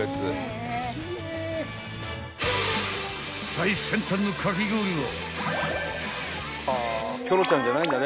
［最先端のかき氷は］